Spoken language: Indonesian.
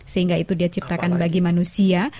sehingga itu dia ciptakan bagi manusia